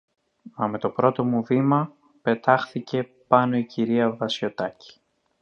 Μα με το πρώτο μου βήμα, πετάχθηκε πάνω η κυρία Βασιωτάκη.